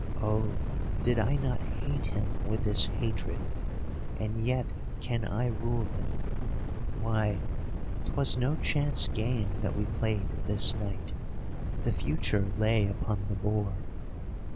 Oh, did I not hate him with this hatred! And yet can I rule him. Why, 'twas no chance game that we played this night: the future lay upon the board.